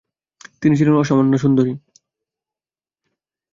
তিনি ছিলেন অসামান্যা সুন্দরী।